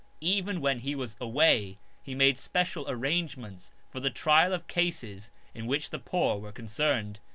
Even when he was away he made special arrangements for the trial of cases in which the poor were concerned.